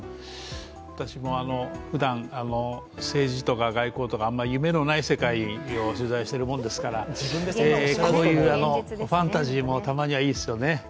私もふだん、政治とか外交とかあまり夢のない世界を取材しているものですから、こういうファンタジーもたまにはいいですよね。